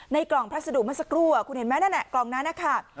กล่องพัสดุเมื่อสักครู่คุณเห็นไหมนั่นแหละกล่องนั้นนะคะ